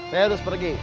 saya harus pergi